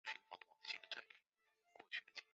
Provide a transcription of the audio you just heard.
长渊线